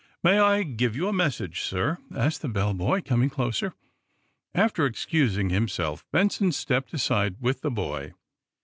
"May I give you a message, sir?" asked the bell boy, coming closer. After excusing himself, Benson stepped aside with the boy.